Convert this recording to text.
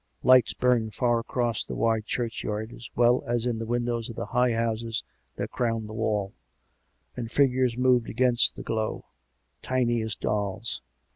Lights burned far across the wide churchyard, as well as in the windows of the high houses that crowned the wallj and figures moved against the glowj^ COME RACK! COME ROPE! 145 tiny as dolls.